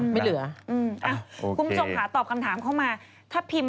คุณทรงสาวตอบทำงานตอบกำถาม